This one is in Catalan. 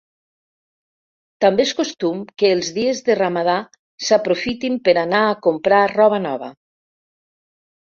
També és costum que els dies de ramadà s'aprofitin per anar a comprar roba nova.